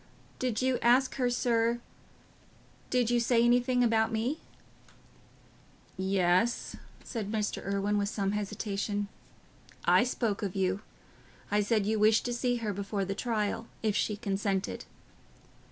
"Did you ask her, sir... did you say anything about me?" "Yes," said Mr. Irwine, with some hesitation, "I spoke of you. I said you wished to see her before the trial, if she consented."